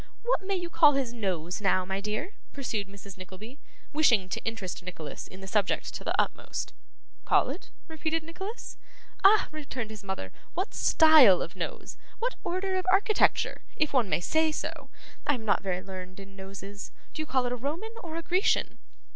'What may you call his nose, now, my dear?' pursued Mrs. Nickleby, wishing to interest Nicholas in the subject to the utmost. 'Call it?' repeated Nicholas. 'Ah!' returned his mother, 'what style of nose? What order of architecture, if one may say so. I am not very learned in noses. Do you call it a Roman or a Grecian?